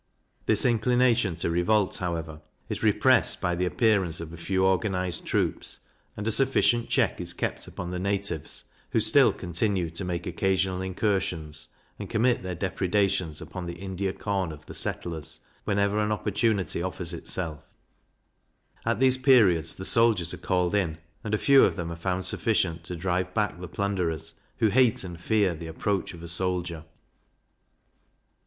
This inclination to revolt, however, is repressed by the appearance of a few organized troops; and a sufficient check is kept upon the natives, who still continue to make occasional incursions, and commit their depredations upon the India corn of the settlers, whenever an opportunity offers itself: At these periods the soldiers are called in, and a few of them are found sufficient to drive back the plunderers, who hate and fear the approach of a soldier.